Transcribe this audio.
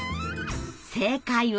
正解は。